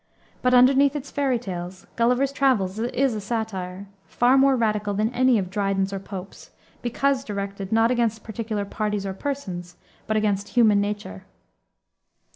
But underneath its fairy tales, Gulliver's Travels is a satire, far more radical than any of Dryden's or Pope's, because directed, not against particular parties or persons, but against human nature.